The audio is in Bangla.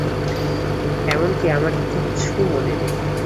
এমনকি আমার কিচ্ছু মনে নেই।